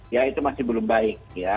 ya itu masih belum baik ya